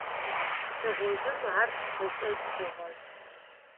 Тыгъужъым ар ышӀошъ хъугъэ.